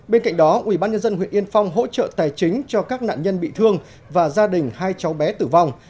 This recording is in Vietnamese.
bên cạnh đó ubnd huyện yên phong hỗ trợ tài chính cho các nạn nhân bị thương và gia đình hai cháu bé tử vong